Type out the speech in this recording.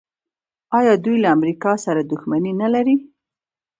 آیا دوی له امریکا سره دښمني نلري؟